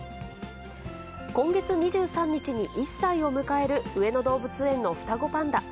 今月２３日に１歳を迎える上野動物園の双子パンダ。